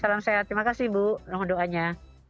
iya salam sehat terima kasih bu nonton doanya